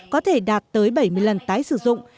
có thể đạt tới bảy mươi lần tái sử dụng